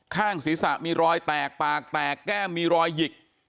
ข้างศีรษะมีรอยแตกปากแตกแก้มมีรอยหยิก